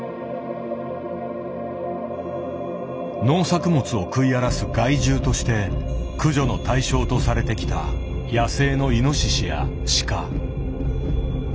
農作物を食い荒らす害獣として駆除の対象とされてきた野生のイノシシやシカ。